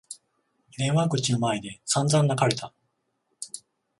電話口の前で散々泣かれた。